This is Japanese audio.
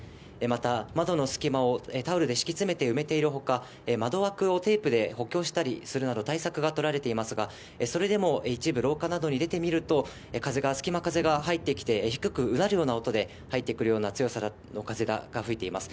また、窓の隙間をタオルで敷き詰めて埋めているほか、窓枠をテープで補強したりするなど、対策が取られていますが、それでも一部廊下などに出てみると、風が、隙間風が入ってきて、低くうなるような風が入ってくるような強さの風が吹いています。